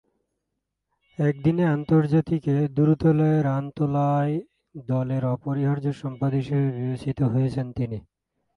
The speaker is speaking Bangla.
একদিনের আন্তর্জাতিকে দ্রুতলয়ে রান তোলায় দলের অপরিহার্য সম্পদ হিসেবে বিবেচিত হয়েছেন তিনি।